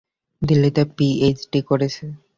দিল্লিতে, পিএইচডি করছে।